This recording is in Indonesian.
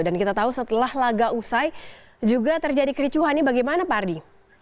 dan kita tahu setelah laga usai juga terjadi kericuhan ini bagaimana pak ardi